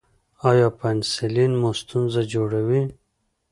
ایا پنسلین مو ستونزه جوړوي؟